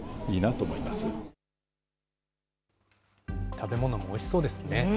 食べ物もおいしそうですね。